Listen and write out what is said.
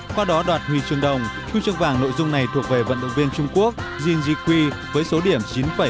qua đó đoạt huy chương đồng huy chương vàng nội dung này thuộc về vận động viên trung quốc jin ji kui với số điểm chín bảy mươi bốn